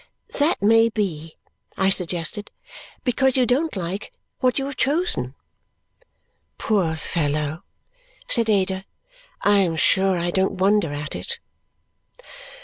"That may be," I suggested, "because you don't like what you have chosen." "Poor fellow!" said Ada. "I am sure I don't wonder at it!"